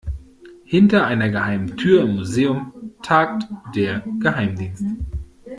Hinter einer geheimen Tür im Museum tagt der Geheimdienst.